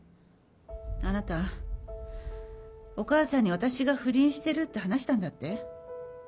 あなたお義母さんに私が不倫してるって話したんだって？